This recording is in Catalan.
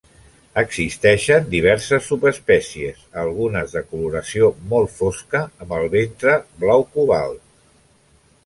Existeixen diverses subespècies, algunes de coloració molt fosca amb el ventre blau cobalt.